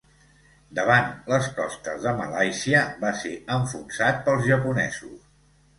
Davant les costes de Malàisia, va ser enfonsat pels japonesos.